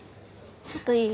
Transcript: ちょっといい？